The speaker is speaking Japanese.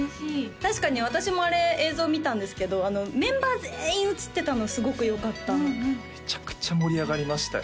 確かに私もあれ映像見たんですけどメンバー全員映ってたのすごくよかっためちゃくちゃ盛り上がりましたよ